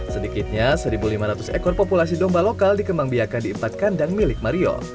sedikitnya satu lima ratus ekor populasi domba lokal dikembang biakan di empat kandang milik mario